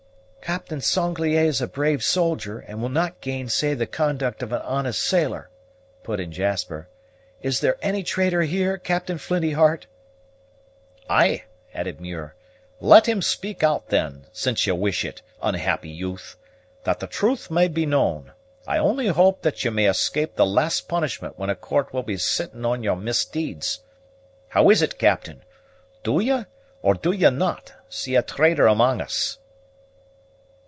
"Captain Sanglier is a brave soldier, and will not gainsay the conduct of an honest sailor," put in Jasper. "Is there any traitor here, Captain Flinty heart?" "Ay," added Muir, "let him speak out then, since ye wish it, unhappy youth! That the truth may be known. I only hope that ye may escape the last punishment when a court will be sitting on your misdeeds. How is it, Captain; do ye, or do ye not, see a traitor amang us?"